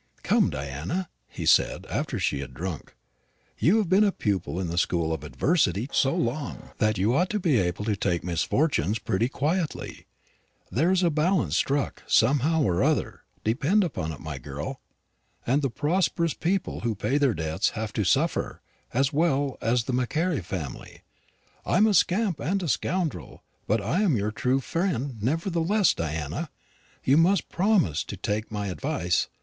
"Come, Diana," he said, after she had drunk, "you have been a pupil in the school of adversity so long, that you ought to be able to take misfortunes pretty quietly. There's a balance struck, somehow or other, depend upon it, my girl; and the prosperous people who pay their debts have to suffer, as well as the Macaire family. I'm a scamp and a scoundrel, but I'm your true friend nevertheless, Diana; and you must promise to take my advice.